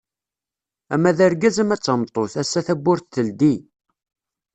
Ama d argaz ama d tameṭṭut, ass-a tawwurt teldi.